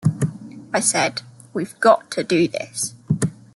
I said 'We've got to do this.